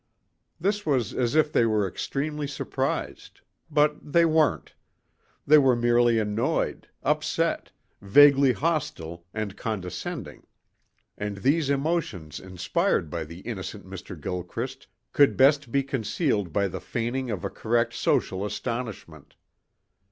This was as if they were extremely surprised. But they weren't. They were merely annoyed, upset, vaguely hostile and condescending. And these emotions inspired by the innocent Mr. Gilchrist could be best concealed by the feigning of a correct social astonishment.